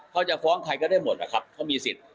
เขาจะฟ้องใครก็ได้หมดนะครับเขามีสิทธิ์